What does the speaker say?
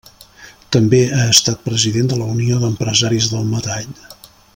També ha estat president de la Unió d'Empresaris del Metall.